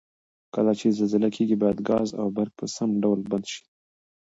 کله چې زلزله کیږي باید ګاز او برق په سم ډول بند شي؟